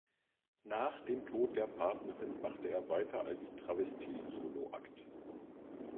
Nach dem Tod der Partnerin machte er weiter als Travestie-Soloakt.